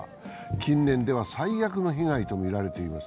近年では最悪の被害とみられています。